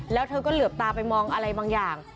แล้วเธอก็เหลือบตาไปมองอะไรบางอย่าง